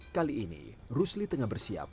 kali ini rusli tengah bersiap